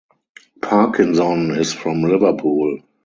Parkinson is from Liverpool.